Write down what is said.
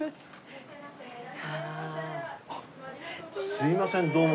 すいませんどうも。